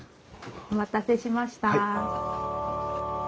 お待たせしました。